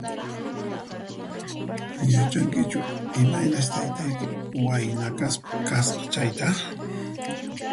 Yachankichu imaynas taytayki wayna kaspa kasqa chayta?